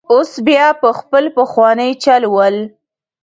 اوس بیا په خپل پخواني چل ول.